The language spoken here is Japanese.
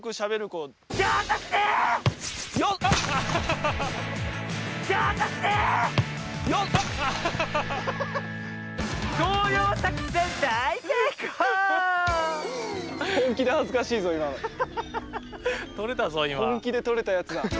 ほんきでとれたやつだ。